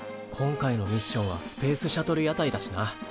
今回のミッションはスペースシャトル屋台だしな。